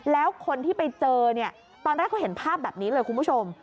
แล้วคนที่ไปเจอเนี่ยตอนแรกเขาเห็นภาพแบบนี้เลยคุณผู้ชม